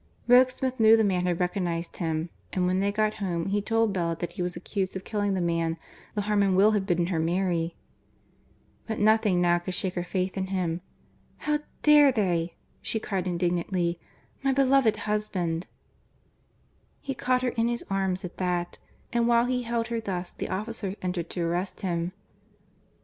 Rokesmith knew the man had recognized him, and when they got home he told Bella that he was accused of killing the man the Harmon will had bidden her marry. [Illustration: Jennie Wren and her "troublesome child" See page 335] But nothing now could shake her faith in him. "How dare they!" she cried indignantly. "My beloved husband." He caught her in his arms at that, and while he held her thus the officers entered to arrest him.